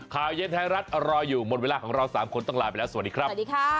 ข่าวเย็นไทยรัฐรออยู่หมดเวลาของเราสามคนต้องลาไปแล้วสวัสดีครับสวัสดีค่ะ